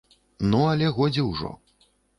Ну, але годзе ўжо.